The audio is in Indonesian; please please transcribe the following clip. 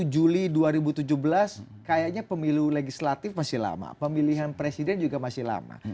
dua puluh juli dua ribu tujuh belas kayaknya pemilu legislatif masih lama pemilihan presiden juga masih lama